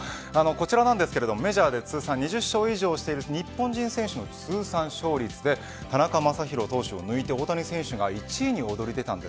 こちらですがメジャー通算２０勝している日本人選手の通算勝率で田中将大選手を抜いて大谷選手が１位に躍り出ました。